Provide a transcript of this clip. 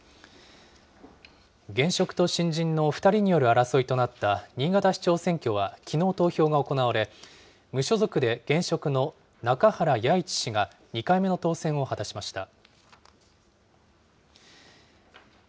現職と新人の２人による争いとなった新潟市長選挙は、きのう投票が行われ、無所属で現職の中原八一氏が２回目の当選を果たしました。